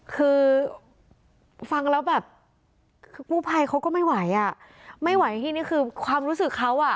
คือฟังแล้วแบบคือกู้ภัยเขาก็ไม่ไหวอ่ะไม่ไหวที่นี่คือความรู้สึกเขาอ่ะ